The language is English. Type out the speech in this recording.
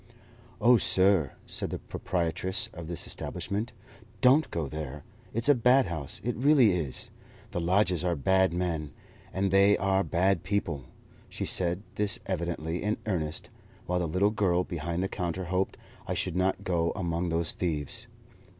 "Oh, sir," said the proprietress of this establishment, "don't go there! It's a bad house; it really is! The lodgers are bad men, and they are bad people." She said this evidently in earnest, while the little girl behind the counter hoped I should not go among those thieves.